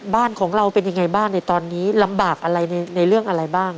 บ้านของเราเป็นยังไงบ้างในตอนนี้ลำบากอะไรในเรื่องอะไรบ้าง